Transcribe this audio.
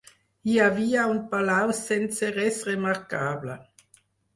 Hi havia un palau sense res remarcable.